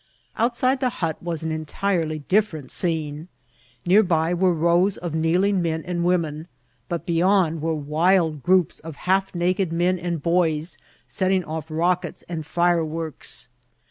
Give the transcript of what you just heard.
Outside the hut was an entirely different scene. Near by were rows of kneeling men and women, but beyond were wild groups of half naked men and boys, setting off rockets and fireworks.